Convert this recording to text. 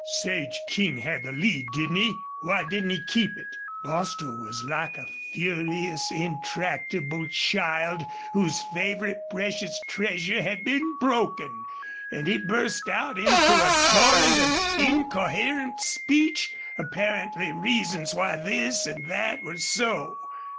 "Sage King had the lead, didn't he? Why didn't he keep it?" Bostil was like a furious, intractable child whose favorite precious treasure had been broken; and he burst out into a torrent of incoherent speech, apparently reasons why this and that were so.